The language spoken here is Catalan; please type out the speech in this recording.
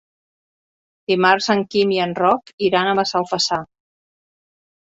Dimarts en Quim i en Roc iran a Massalfassar.